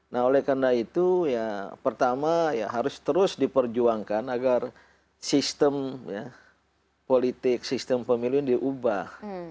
nah oleh karena itu ya pertama ya harus terus diperjuangkan agar sistem politik sistem pemilu ini diubah